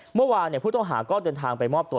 เมื่อวานผู้ต้องหาก็เดินทางไปมอบตัว